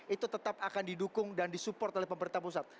itu tetap akan didukung dan disupport oleh pemerintah pusat